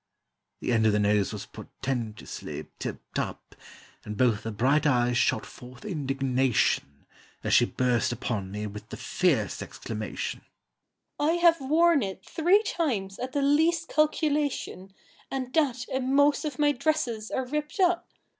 The end of the nose was portentously tipped up, And both the bright eyes shot forth indignation, As she burst upon me with the fierce exclamation, "I have worn it three times at the least calculation, And that and most of my dresses are ripped up!"